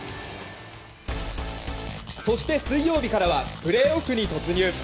そして、水曜日からはプレーオフに突入。